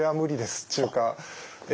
っちゅうか。